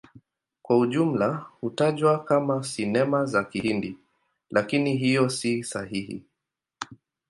Kwa ujumla hutajwa kama Sinema za Kihindi, lakini hiyo si sahihi.